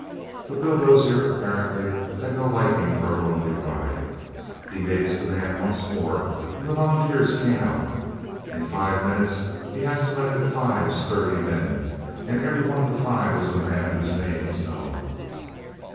But Bill Dozier apparently had no liking for a lonely ride. He made his demand once more, and the volunteers came out. In five minutes he had selected five sturdy men, and every one of the five was a man whose name was known.